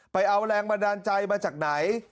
ไปเอาแรงบันดาลใจมาจากไหน